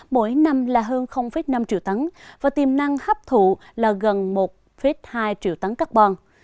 mỗi năm là hơn năm triệu tấn và tiềm năng hấp thụ là gần một hai triệu tấn carbon